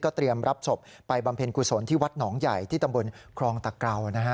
เตรียมรับศพไปบำเพ็ญกุศลที่วัดหนองใหญ่ที่ตำบลครองตะเกรานะฮะ